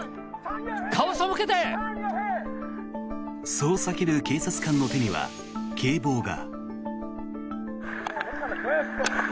そう叫ぶ警察官の手には警棒が。